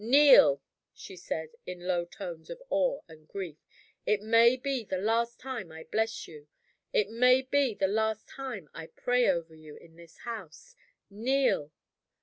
"Kneel!" she said, in low tones of awe and grief. "It may be the last time I bless you it may be the last time I pray over you, in this house. Kneel!"